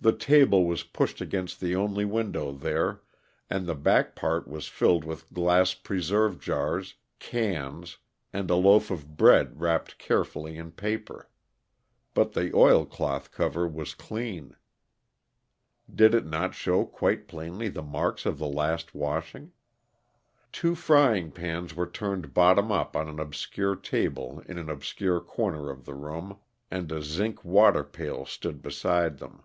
The table was pushed against the only window there, and the back part was filled with glass preserve jars, cans, and a loaf of bread wrapped carefully in paper; but the oilcloth cover was clean did it not show quite plainly the marks of the last washing? Two frying pans were turned bottom up on an obscure table in an obscure corner of the room, and a zinc water pail stood beside them.